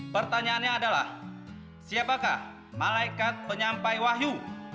pertanyaannya adalah siapakah malaikat penyampai wahyu